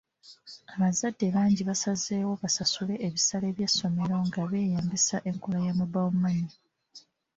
Abazadde bangi basazeewo basasule ebisale by'essomero nga beeyambisa enkola ya mobile money.